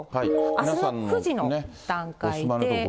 あすの９時の段階で。